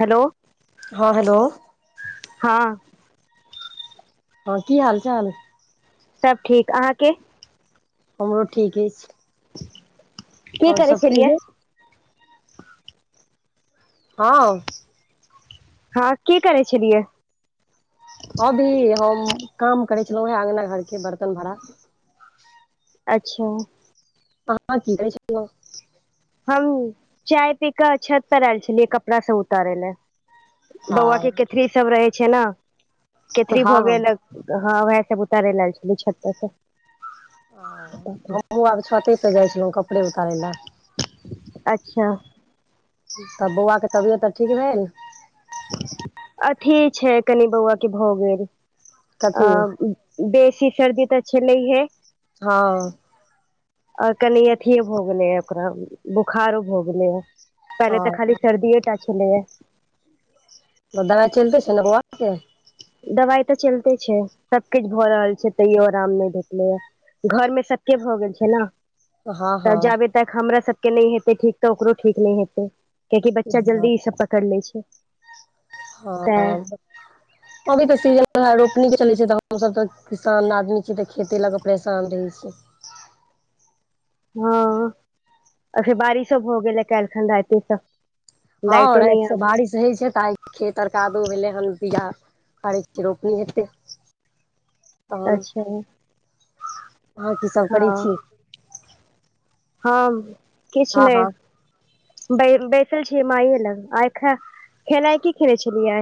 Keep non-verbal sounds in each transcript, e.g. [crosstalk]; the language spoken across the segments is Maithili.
हेलो हँ हेलो हँ हँ की हाल चाल सब ठीक अहाँके हमरो ठीक अछि की आओर करै सब छलियै कहियौ हँ हँ की करे छलियै अभी हम काम करै छलहुँं हे अङगना घर के बर्तन भाड़ा अच्छा म की कहै छैँ [unintelligible] हम चाय पी कऽ छत पर आयल छलियै कपड़ा से उतारे ले आ बौआ के केथरी सब रहे छै ने केथरी भ हँ हँ गेल हँ उएह सभ उतारे लल छली छत्त से ओ हमहुं आब छते प जाइ छलहुँ कपड़े उतारै लए अच्छा तब बौआके तबियत आर ठीक रहे अठि छै कनि बौआ के भऽ गेल आ कथी बेसी सर्दी तऽ छलैहे हँ आ कनि अथियो भ गेलैया ओकरा बुखारो भ गेलैया पहिले तऽ हँ खाली सर्दीए टा छलैया त दबाइ चलिते छै न ब‌उआ के दबाइ तऽ चलते छै सब किछु भऽ रहल छै तैयो आराम नहि भेटलै ह घर मे सबके भऽ गेल छै न हँ तब हँ जाबेतक हमरा सभके नहि हेतै ठीक तऽ ओकरो ठीक नहि हेतै कियाकि बच्चा हँ जल्दी ई सब पकड़ ले छै हँ [inaudible] अभी तऽ सीजन वहै रोपनी के चलै छै तऽ हमसभ तऽ किसान आदमी छियै तऽ खेते लऽ कऽ परेशान रहैत छि। हँ आ फेर बारिशो भ गेल ह काल्हि खन राते त। हँ राइत स बारिस छैय त आ खेत आर कादो भेलै हन बिया करै छियै रोपनी हेतै। तहन अच्छा अहाँ की सब करै हँ छी? हम किछु हँ नहि। हँ बैसल छियै माइये लग आइ ख खेनाइ की खेने छलियै?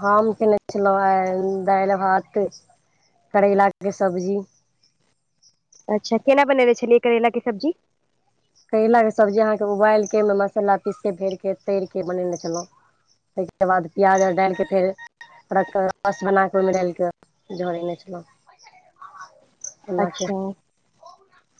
हम खेने छलहुँ आइ दालि भात करैलाके सब्जी। अच्छा केना बनेने छलियै करैेला के सब्जी? करैलाके सब्जी अहाँके उबालि कऽ ओहिमे मसाला पीस के भरके तरि क बनेने छलहुँ। ताहिके बाद प्याज आर डालि कऽ फेर रस बना क ओहिमे डालि क झोरेने छलौं। [inaudible] ए अच्छा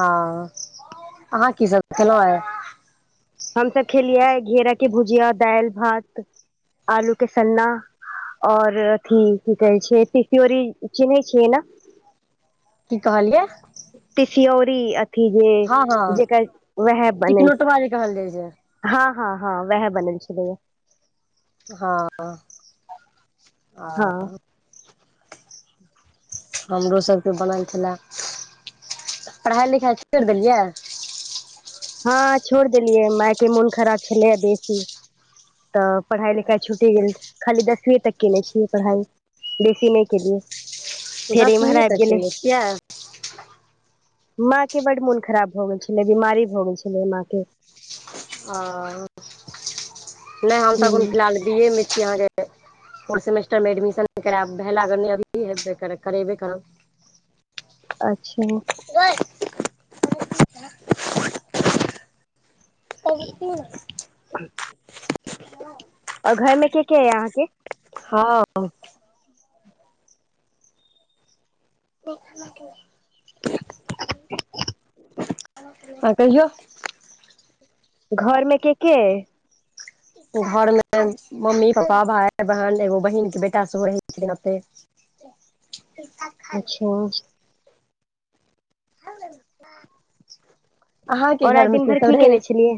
हँ अहाँ की सब देखलहु आय? हम त खेलियै घीरा की भुजिया दालि भात आलू के सन्ना ओर अथी की कहै छैय तिसीऔरी चिन्है छियै ने? की कहलियै? तिसिऔरी अथी जे जेकर वएह बनै कथी कहल जाइ छैय? हँ हँ हँ वैह बनेने छलीयैय। हँ ह [inaudible] हमरो सभके बनल छला पढ़ाइ लिखाइ छोरि देलियै? हँ छोड़ देलियै माय के मोन खराब छलैया बेसी। तऽ पढ़ाइ लिखाइ छुटि गेल खाली दसवीं तक केने छियै पढ़ाइ। बेसी नहि केलियै। फेर इम्हर दसमींये आबि तक गेलै केने‌ छियै? माँ के बड मोन खराब भऽ गेल छलै बीमारी भऽ गेल छलै माँ के। आ नहि हम तऽ अखुन हूँ फिलहाल‌ बिये मे अहाँ के फोर सेमेस्टर मे एडमिशन करैब भेलया नै अभी हेबे करत करेबैबे करब अच्छा गइ [unintelligible] और घर में के के यै अहाँके? हँ [unintelligible] [unintelligible] हँ कहियौ। घरमे के के अय? घरमे मम्मी पापा भाय बहिन एगो बहिनके बेटा सेहो रहै छथिन एतय। [unintelligible] अच्छा अहाँके और आइ घर मे दिन के भरि की सब केने रहैछ? छलियै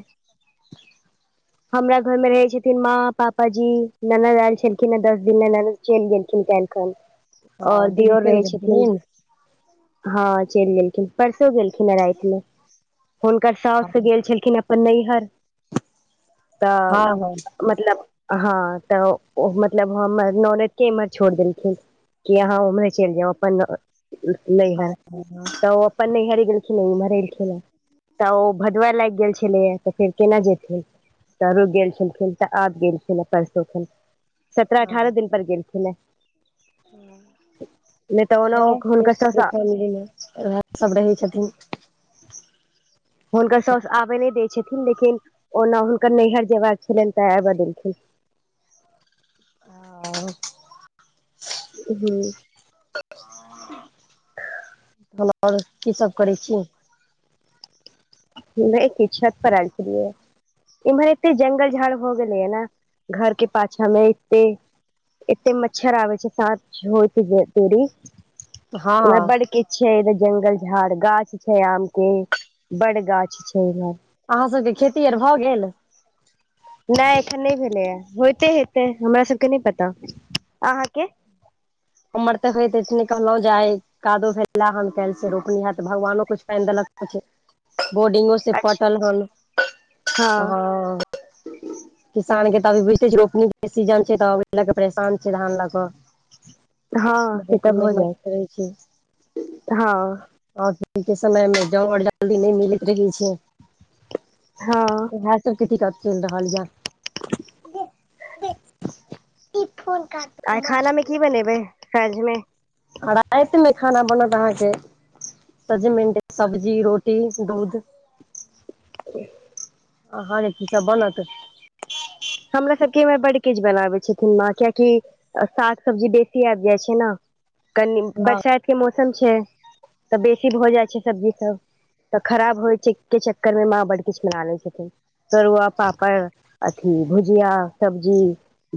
हमरा घर में रहै छथिन माँ पापाजी ननद आयल छलखिन है दस दिन ले ननद चलि गेलखिन काइल खन आओर हँ दीदी दियोर चलि रहै छथिन। गेलखिन हँ चैल गेलखिन परसो गेलखिन हन रात्रि में हुनकर सास हँ गेल छलखिन अपन नयहर तभ हँ मतलब हँ तऽ मतलब हमर नाहयर में छोड़ देलखिन कि अहाँ उम्हरे चलि जाउ अपन हँ नैहर हँ तऽ अपन नयिहर गेल खिन मरै रा तऽ ओ भादबा लागि गेल छलैए तऽ फेर केना जेतिन तऽ रुक गेल छल तऽ आब गेलखिन परसो ख सत्रह अठारह दिन पर गेल [unintelligible] हँ, हुनकर साउस देख, हम उएह सभ रहै छथिन हुनकर सासु आबय नहि दैत छथिन, लेकिन ओना हुनकर नैहर जयबाक छलनि, तेँ आबऽ देलखिन आओ हू ह आओर की सभ करैत छी नै, कि घाट पर अहाइब गेलियै इम्हर घरक पाछाँ एते जंगल-झाड़ भऽ गेलै हँ ने एते मच्छर छै, आ साँझ होइते बहुत बढ़ि जाइ हँ छै ओतय बड़ किछु जंगल-झाड़ आ आमक गाछ छै बड़का गाछ छै इम्हर अहाँ सभक खेती आर भऽ गेलै नहि, एखन नहि भेलै होइते हेतै, हमरा सभके नहि पता, अहाँके हमर त होइते छै ने, ई कहल जाइ कादो फैलल हँ। काल्हि सँ रोपनी छै, तऽ भगवानो किछु पानि देलखिन से अच्छा पटल हल हँ किसानक तऽ एखन बुझिते छै, रोपनीक सीजन छै, तऽ धान लऽ कऽ परेशान छै ह बहुत मेहनत करै छी हँ आ के समयमे जाउ, आओर जल्दी नहि मिलैत रहै छै हँ इएह सभके ठीकाठ चलि रहल यऽ ई फोन आइ खानामें की बनेबै राइतमे आ राइतमे अहाँकातँ की खाना बनत सजमनके सब्जी रोटी दूध [unintelligible] अहाँकाँ की-की बनत हमरा सभके इम्हर बड़ किछु बनाबै छथिन माँ, किएकि साग-सब्जी बेसी आबि जाइ छै ने, कनी हँ बरसातक मौसम छै तऽ बेसी भऽ जाइ छै सब्जी सब तऽ खराब होइ छै के चक्करमे माँ बड़ किछु मना लै छथिन, तरुआ-पापड़ भुजिया सब्जी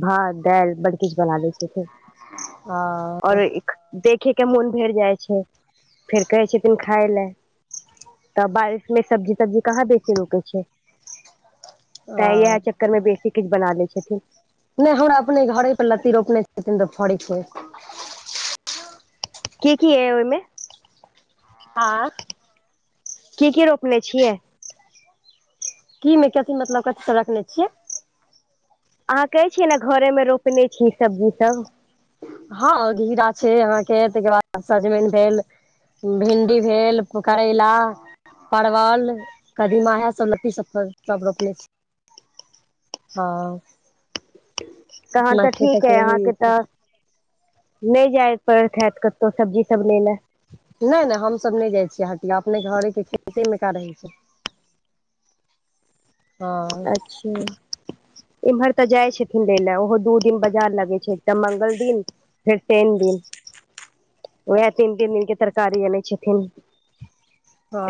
भात, दाल, बड़ किछु बना लै छथिन, ह फेर आओर देखैके मोन भरि जाइ छै, फेर कहै छथिन, खाय लए। तऽ बरसातमे सब्जी-तब्जी कहाँ बेसी रुकै छै तऽ इएह ह चक्करमे बेसी किछु बना लै छथिन नहि, हमरा अपने घरे पर लत्ती रोपने छथिन, तऽ फड़ै छै की की छै ओहिमे आ की की रोपने छियै की मे केथी मतलब कथी रखने छियै अहाँ कहै छियै ने घरे मे रोपने छी सब्जी सब हँ घिरा छै अहााँके तइके बाद सजमन भेल भिण्डी भेल करैला परवल कदीमा इएह सब लत्ती सब सब रोपने छी हँ तहन अपना तऽ ठीक है अहाँके तऽ [unintelligible] नहि जाय पड़ैत हैत कतौ सब्जी सब ले लै नहि नहि हमसब नहि जाइ छियै हटिया अपने घरे के खेते मे क रहै छै [inaudible] हँ अच्छा एम्हर तऽ जाय छथिन लै लऽ ओहो दू दिन बाजार लगै छै त मंगल दिन फेर तीन दिन उएह तीन तीन दिनके तरकारी अनै छथिन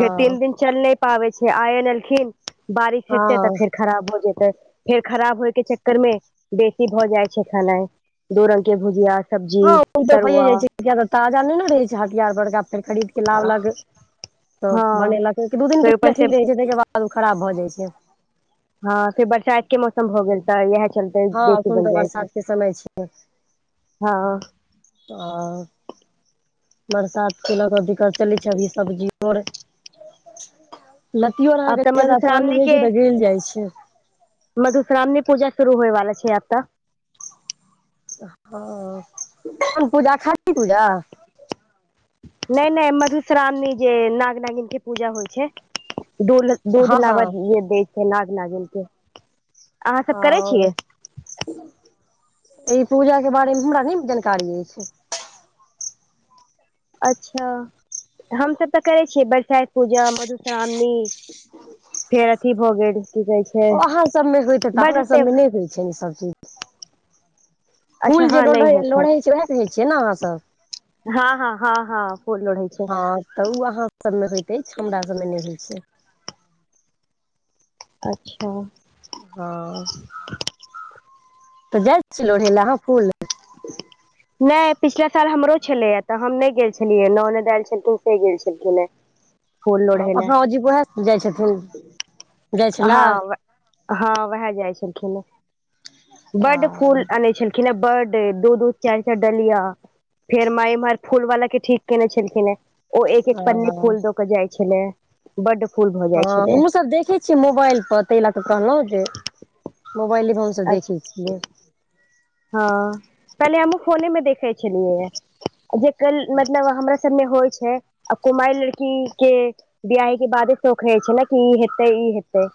फेर तीन दिन चल नहि पाबै छै आइ एन एलखिन बारिश हेतै हँ तऽ फेर खराब हो जेतै फेर खराब होय के चक्कर मे बेसी भऽ जाइ छै खेनाइ दू रंग के भुजिया सब्जी हँ उ तऽ भैए तरुआ जाइ छै किया तऽ ताजा नहि ने रहै छै हथियार बड़का फेर खरीद के लावलक तऽ हँ बनेलक दू दिन फेर के ऊपर ल से ठीक रहे छै ताहि के बाद सब खराब भऽ जाइ छै हँ बरसात के मौसम खत्म भ गेल तऽ इएह चलते हँ बेसी एखन बन तऽ जाइ बरसात छै के समय छै हँ अ बरसात के ल क दिक्कत चलै छै अभी सब्जीर लत्तियो आर अहाँ आब के तऽ ज्यादा पानी मधुश्रावणी होय छै त गल जाय छै मधुश्रामनी पूजा शुरू होइ वला छै आब तऽ हँ पूजा खाली पूजा नहि नहि मधुश्रावणी जे नाग नागिन के पूजा होइ छै दुध दूध हँ हँ लावा दै छै नाग नागिन के अहाँ सब करै छियै ओ ई पूजाके बारेमे हमरा नहि जानकारी अछि अच्छा हमसभ तऽ करै छियै बरसाइत पूजा मधुश्रावणी फेर अथी भऽ गेल की कहै छै ओ अहाँ सब मे होयते तऽ बड हमरा सब से मे नहि होइ छ छैनि ई सभ चीज अच्छा फूल जे हँ लोढ़े नहि होइत लोढ़ै हैत छै उएह होइ छियै ने अहाँसभ हँ हँ हँ हँ फूल लोढ़ै छै हँ तऽ ओ अहाँ सबमे होइत अछि हमरा सभमे नहि होइत छै अच्छा हँ तऽ ग्रैल छलो रहै लएहाँ फूल नहि पिछलाे साल हमरो छले ह तऽ हम नहि गेल छलिय नने दल छलखिन से गेल छलखिन हे [inaudible] लोढ़य लए अहाँ अजीब उएह जाइ छथिन जाइ छला आ हँ हँ उएह जाइ छलखिन बर्ड फूल हँ अनै छलखिन हे बर्ड दू दू चारि चारि डलिया फेर माइ इम्हर फूल वाला के ठीक केने छलखिन हे ओ एक एक पन्नी फूल द के जाइ छलेया बड्ड फूल भऽ जाइ छलै हमहुँ सब देखै मोबाइल पर ताहि लए कऽ कहलहुं जे मोबाइले पर हमसभ देखे अच्छा छियै हँ पहिले हमहुँ फोने मे देखे छलियै ह जे गल मतलब हमरा सब मे होइ छै आ कुमारि लड़की के बिआाहे के बादे शौख रहे छै ने कि ई हेतै ई हेतै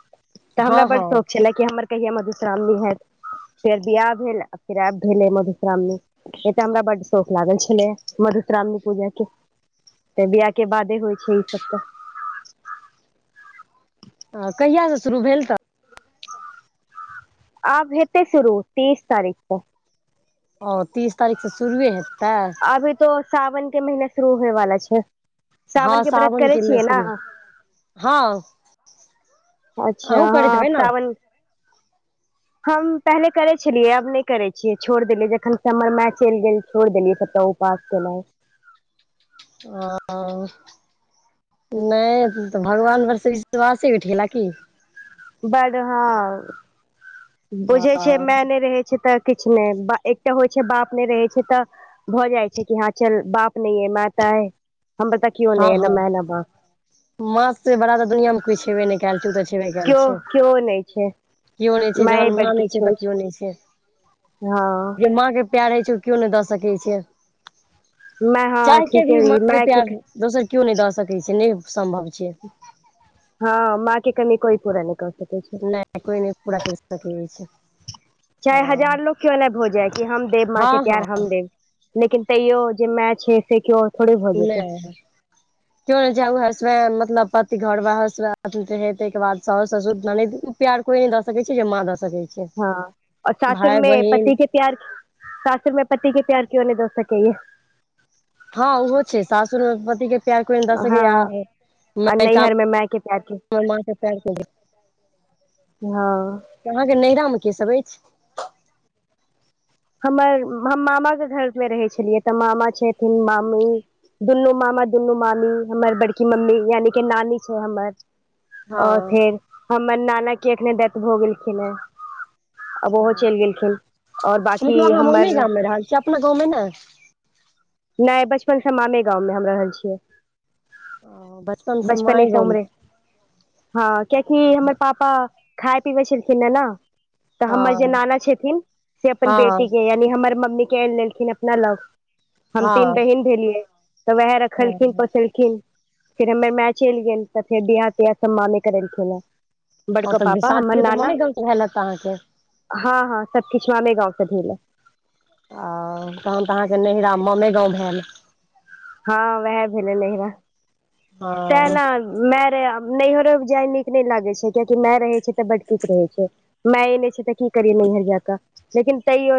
तऽ हँ हमरा बड्ड हँ शौक छल कि हमर कहिया मधुश्रावणी हैत फेर बियाह भेल फेर आब भेलेै मधुश्रामनी। ए तऽ हमरा बड शौख लागल छलै मधुत्रावणी पूजा के। तऽ बियाह के बादे होइ छैय ई सब तऽ। ह कहियास से शुरू भेल तऽ? आब हेतै शुरू तीस तारीख से। ओ तीस तारीख से शुरुए हेतै? अभी तो ओ साावनक के महीना शुरू होएवाला छैय साावन हँ के व्रत करे सावनके मे छियै ना? शुरू हँ अच्छा अहूँ करैत हँ हेबै ने साावन हम पहिले करै छलियै आब नहि करै छियै छोड़ देलियै जखन स हमर माय चलि गेल छोड़ देलियै [unintelligible] [unintelligible] आ नहि तऽ भगवान भरसँ विश्वासे उठेला कि? बड हँ हँ बुझै छिय माय नहि रहे छैय तऽ किछु नहि एकटा होइ छैय बाप नहि रहै छैय तऽ भऽ जाइ छैय कि हँ चल बाप नै अय माय त अय हम पता केव नहि अय नहि माय न बाप। माँसे बड़ा तऽ दुनियां में कोय छैबे नहि कयल छैय। छेबे कैल केओ छैय केओ नहि छै केओ नहि छैय माये जहन बड़ मां नै किछु छैय तऽ होइ केओ नहि छैय। छै हँ जे माँके प्यार रहै छैय ओ केव नहि दऽ सकैत छैय। माय हँ चाहीके भी ठीके माँके मायके प्यार दोसर केव नहि दऽ सकैत छैय नहि सम्भव छैय। हँ मां के कनि कोइ पूरा नै क पेतय। कोय नहि पूरा कैर सकैत अछि। चाहे हजार लोग के्यो नहि भ जाय कि हम देब माँ हँ के हँ प्यार हम देब लेकिन तैयो जे माँय छैय से केओ थोड़े भऽ जेतै नहि [inaudible] [unintelligible] बाद सास ससुर ननैद प्यार कोई न द सकै छैय जे माँ दऽ सकै। छै हँ और भाय सासुरमे बहिन पति के प्यार शासुर मे पति के प्यार केव नहि द सकै य। हँ ओहो छैय सासुर पति के प्यार कोइ नहि द सकै हँ या आ नैहर मे माय के प्यार के [unintelligible] माँ के प्यार हँ तऽ अहाँके नैहरा मे के सब अछि? हमर हम मामा के घर मे रहै छलियै तऽ मामा छथिन मामी दुनू मामा दुनू मामी हमर बड़की मम्मी यानि कि नानी छैय हमर। हँ अर फेर हमर नाना के एखने डेथ भऽ गेलखिन हेँ। अब ओ ओहो चैल गेलखिन और बाकी [unintelligible] गाम हमर मे रहल छीयै अपना गाँवमे नय? नहि बचपन से मामे गाँंवमे हम रहल छियै। ओ बचपन बचपने माय से गाँव मे उमरे हँ कियाकि हमर पाप ह खाय पिबै चिलथिन ने। तऽ हमर जे हँ नाना छथिन से अपन हँ बेटी के यानि हमर मम्मी के आनि लेलखिन अपना लग। हम तीन हँ बहिन भेलियै तऽ वैह रखलखिन हँ पोसलखिन। फेर हमर माँय चैल गेल तऽ फेर बियाह तियाह सब मामेे करेलखिन ह। ओ तब शादीयो तऽ ममें गांव से भेल हैत अहाँके? हँ हँ सबकुछ ममेगाँवसँ भेल या। आ तहन तऽ अहाँके नैहरा मामे गांव भेल। हँ वैह भेलै नेहरा तै हँ ने माय रहय नैहरो जाय नीक नहि लागे छै कियाकि माय रहे छै तऽ बड किछ रहे छै माये नहि छै तऽ कि करियै नहीयर जा कऽ लेकिन तयो